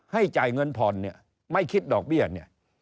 จ่ายเงินผ่อนเนี่ยไม่คิดดอกเบี้ยเนี่ย